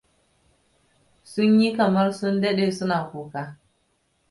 Sun yi kamar sun dade suna kuka.